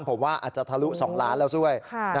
ผมว่าอาจจะทะลุ๒ล้านแล้วด้วย